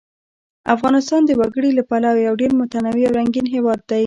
افغانستان د وګړي له پلوه یو ډېر متنوع او رنګین هېواد دی.